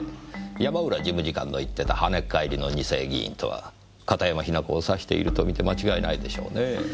山浦事務次官の言ってた跳ねっ返りの二世議員とは片山雛子を指していると見て間違いないでしょうねぇ。